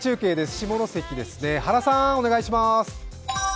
下関、原さんお願いします。